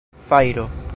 fajro